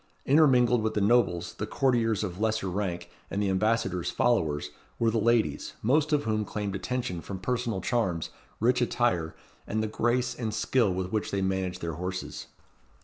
Intermingled with the nobles, the courtiers of lesser rank, and the ambassadors' followers, were the ladies, most of whom claimed attention from personal charms, rich attire, and the grace and skill with which they managed their horses.